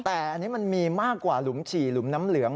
แต่อันนี้มันมีมากกว่าหลุมฉี่หลุมน้ำเหลือง